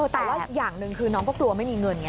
แต่ว่าอย่างหนึ่งคือน้องก็กลัวไม่มีเงินไง